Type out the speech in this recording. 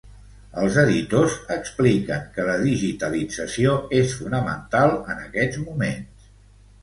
Els editors expliquen que la digitalització és fonamental en aquests moments.